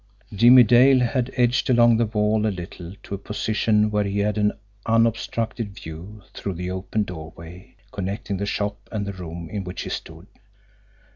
Jimmie Dale had edged along the wall a little to a position where he had an unobstructed view through the open doorway connecting the shop and the room in which he stood.